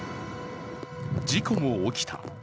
事故も起きた。